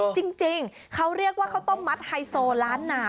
จริงเขาเรียกว่าข้าวต้มมัดไฮโซล้านนา